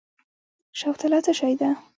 شوتله څه شی ده؟